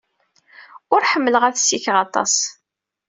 Ur ḥemmleɣ ad ssikeɣ aṭas.